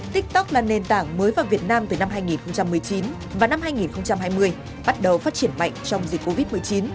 tiktok là nền tảng mới vào việt nam từ năm hai nghìn một mươi chín và năm hai nghìn hai mươi bắt đầu phát triển mạnh trong dịch covid một mươi chín